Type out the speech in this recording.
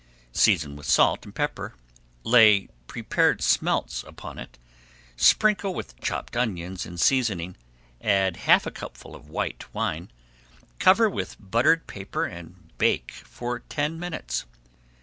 Season with salt and pepper, lay prepared smelts upon it, sprinkle with chopped onions and seasoning, add half a cupful of white wine, cover with buttered paper and bake for ten minutes.